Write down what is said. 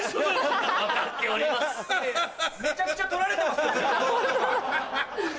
めちゃくちゃ撮られてますよずっと。